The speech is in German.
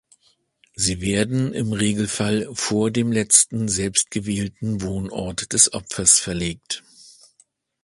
Sie werden im Regelfall vor dem letzten selbstgewählten Wohnort des Opfers verlegt.